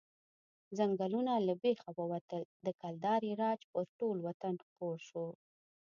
ځنګلونه له بېخه ووتل، د کلدارې راج پر ټول وطن خپور شو.